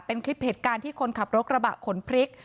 เป็นคลิปเหตุการณ์ที่คนขับรถกระบะขนพริก